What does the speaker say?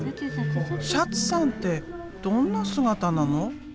「シャツさんってどんな姿なの？」。